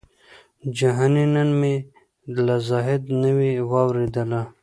جهاني نن مي له زاهده نوې واورېدله